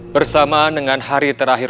bersama dengan hari terakhir